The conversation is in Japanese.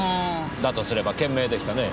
だとすれば賢明でしたね。